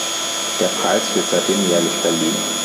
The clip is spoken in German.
Der Preis wird seitdem jährlich verliehen.